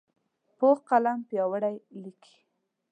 پوخ قلم پیاوړی لیکي